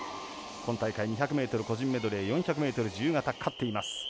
今大会２００ｍ個人メドレー４００ｍ自由形、勝っています。